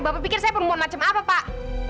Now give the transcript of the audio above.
bapak pikir saya perempuan macam apa pak